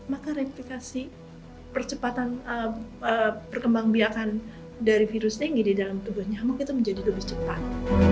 maka replikasi percepatan perkembang biakan dari virus tinggi di dalam tubuh nyamuk itu menjadi lebih cepat